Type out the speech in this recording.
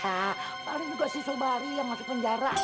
ya paling juga si sobari yang masuk penjara